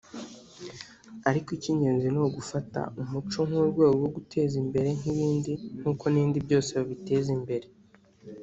Ariko ikigenzi ni ugufata umuco nk’urwego rwo guteza imbere nk’ibindi nkuko n’ibindi yose babiteza imbere